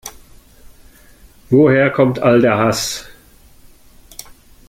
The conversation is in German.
Woher kommt all der Hass?